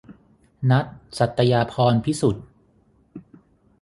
ณัฐ สัตยาภรณ์พิสุทธิ์